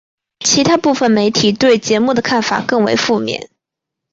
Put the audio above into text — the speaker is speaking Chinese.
其它部分媒体对节目的看法更为负面。